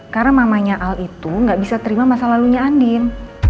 karena mamanya al itu gak bisa terima masa lalunya andin